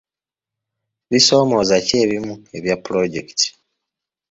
Bisoomooza ki ebimu ebya pulojekiti?